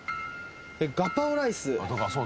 ガパオライス。